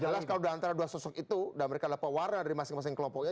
jelas kalau udah antara dua sosok itu dan mereka dapat warna dari masing masing kelompoknya